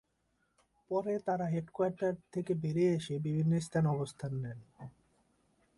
পরে তারা হেডকোয়ার্টার থেকে বেরিয়ে এসে বিভিন্ন স্থানে অবস্থান নেন।